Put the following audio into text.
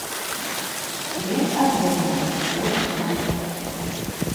Viens atgriezās, otrs ne.